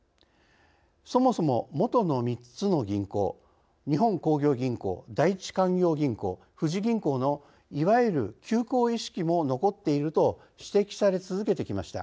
そもそも元の３つの銀行日本興業銀行第一勧業銀行富士銀行のいわゆる旧行意識も残っていると指摘され続けてきました。